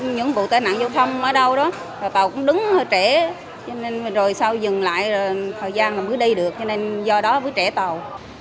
những vụ tai nạn giao thông ở đâu đó tàu cũng đứng hơi trễ rồi sao dừng lại thời gian mới đi được do đó mới trễ tàu